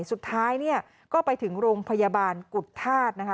สุดท้ายเนี่ยก็ไปถึงโรงพยาบาลกุฏธาตุนะคะ